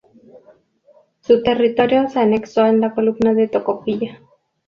Su territorio se anexó a la comuna de Tocopilla.